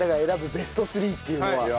ベスト３っていうのは。